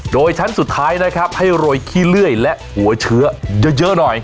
โดยชั้นสุดท้ายนะครับให้โรยขี้เลื่อยและหัวเชื้อเยอะหน่อย